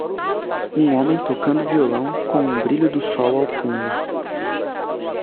Um homem tocando violão com um brilho do sol ao fundo